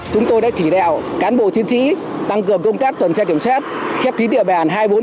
chúng tôi đã chỉ đạo cán bộ chiến sĩ tăng cường công tác tuần xe kiểm soát khép ký địa bàn hai mươi bốn trên bốn